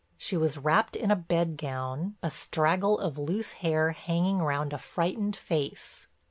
She was wrapped in a bed gown, a straggle of loose hair hanging round a frightened face.